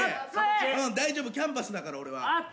大丈夫キャンバスだから俺は。